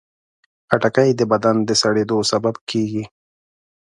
خټکی د بدن د سړېدو سبب کېږي.